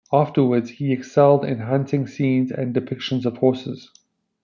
Afterwards he excelled in hunting scenes and depictions of horses.